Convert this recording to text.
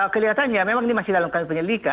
kelihatannya memang ini masih dalam penyelidikan